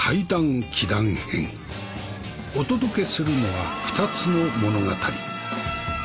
お届けするのは２つの物語。